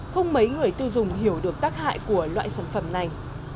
không mấy người tiêu dùng hiểu được tác hại của loại sản phẩm này